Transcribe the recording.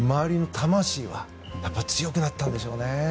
魂が強くなったんでしょうね。